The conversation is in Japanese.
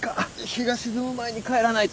日が沈む前に帰らないと！